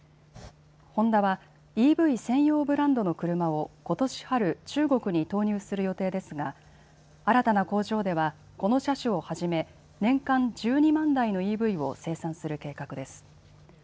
ホンダはＥＶ専用ブランドの車をことし春、中国に投入する予定ですが新たな工場ではこの車種をはじめ年間１２万台のＥＶを生産する計画です。